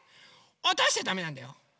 おとしちゃだめなんだよ。